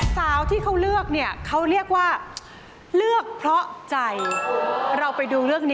สาวที่เขาเลือกเขาเรียกว่าเลือกเพราะใจ